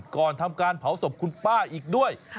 ก่อนทำการเผาศพคุณป้าอีกด้วย